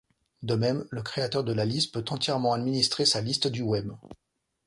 De même, le créateur de la liste peut entièrement administrer sa liste du web.